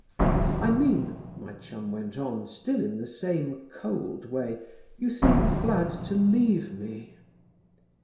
"'I mean,' my chum went on, still in the same cold way, 'you seem glad to leave me.'